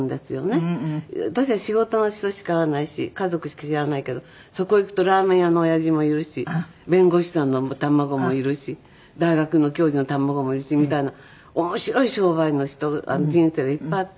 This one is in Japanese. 私たち仕事の人しか会わないし家族しか知らないけどそこへ行くとラーメン屋のおやじもいるし弁護士さんの卵もいるし大学の教授の卵もいるしみたいな面白い商売の人人生がいっぱいあって。